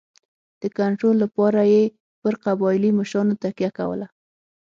د کنټرول لپاره یې پر قبایلي مشرانو تکیه کوله.